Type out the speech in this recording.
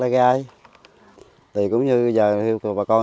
thì cũng như bà con